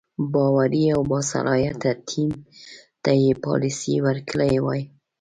باوري او باصلاحیته ټیم ته یې پالیسي ورکړې وای.